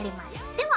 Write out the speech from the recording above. では